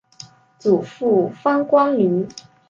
祖父方关奴。